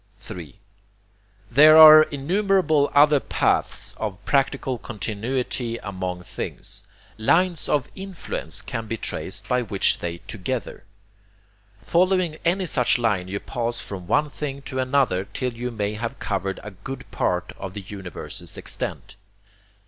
3. There are innumerable other paths of practical continuity among things. Lines of INFLUENCE can be traced by which they together. Following any such line you pass from one thing to another till you may have covered a good part of the universe's extent.